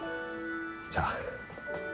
じゃあ。え。